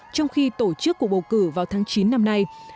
trong khi tổ chức cuộc bầu cử vào tháng chín năm nay